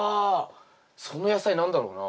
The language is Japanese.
その野菜何だろうな？